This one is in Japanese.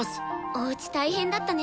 おうち大変だったね。